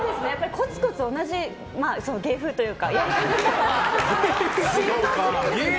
コツコツ同じ芸風というか。